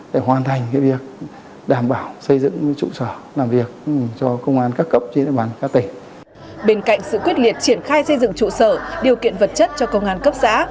bên cạnh sự quyết liệt triển khai xây dựng trụ sở điều kiện vật chất cho công an cấp xã